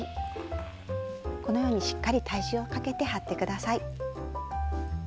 このようにしっかり体重をかけて貼って下さい。